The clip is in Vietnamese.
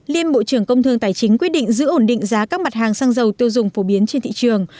liên bộ trưởng công thương tài chính quyết định giữ ổn định giá các mặt hàng xăng dầu tiêu dùng phổ biến trên thị trường